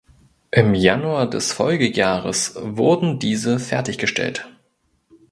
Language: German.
Im Januar des Folgejahres wurden diese fertiggestellt.